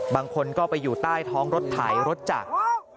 บางคนก็ไปอยู่ใต้ท้องรถไถรถจักร